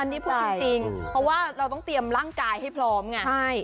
อันนี้พูดจริงเพราะว่าเราต้องเตรียมร่างกายให้พร้อมไง